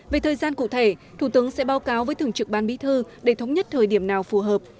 về thời gian cụ thể thủ tướng sẽ báo cáo với thường trực ban bí thư để thống nhất thời điểm nào phù hợp